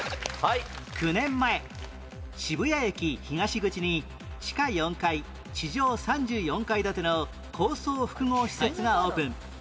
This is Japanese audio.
９年前渋谷駅東口に地下４階地上３４階建ての高層複合施設がオープン